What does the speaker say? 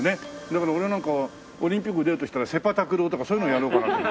だから俺なんかはオリンピック出ようとしたらセパタクローとかそういうのやろうかな。